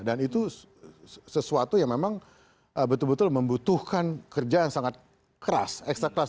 dan itu sesuatu yang memang betul betul membutuhkan kerja yang sangat keras ekstra keras